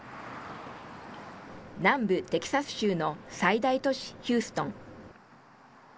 南部テキサス州の最大都市ヒューストン。